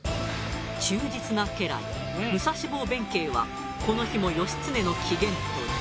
忠実な家来武蔵坊弁慶はこの日も義経の機嫌取り。